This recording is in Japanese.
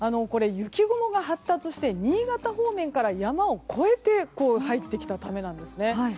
雪雲が発達して新潟方面から山を越えて入ってきたためなんですね。